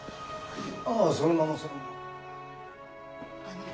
ああそのままそのまま。